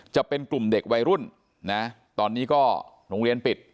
จะเป็นกลุ่มเด็กวัยรุ่นนะตอนนี้ก็โรงเรียนปิด